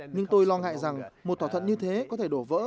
nhưng tôi lo ngại rằng một thỏa thuận như thế có thể đổ vỡ